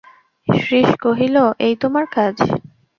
শ্রীশ কহিল, এই তোমার কাজ!